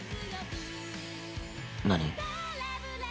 何？